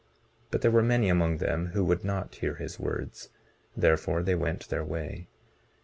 19:32 But there were many among them who would not hear his words; therefore they went their way.